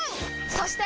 そして！